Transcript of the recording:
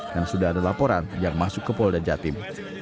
sudah ada laporan yang masuk ke polda jatim